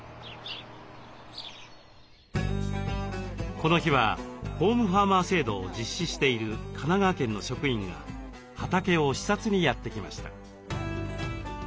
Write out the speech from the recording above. この日はホームファーマー制度を実施している神奈川県の職員が畑を視察にやって来ました。